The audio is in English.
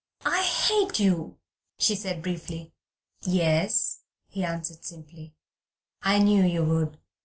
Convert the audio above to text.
"I hate you," she said briefly. "Yes," he answered simply, "I knew you would.